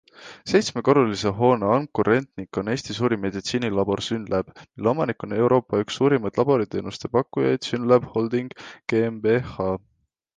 Seitsmekorruselise hoone ankurrentnik on Eesti suurim meditsiinilabor SYNLAB, mille omanik on Euroopa üks suurimaid laboriteenuste pakkujaid SYNLAB Holding GmbH.